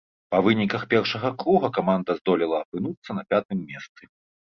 Па выніках першага круга каманда здолела апынуцца на пятым месцы.